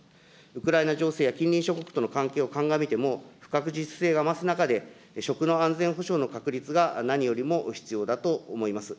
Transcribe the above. ウクライナ情勢や近隣諸国との情勢を鑑みても不確実性が増す中で、食の安全保障の確立が何よりも必要だと思います。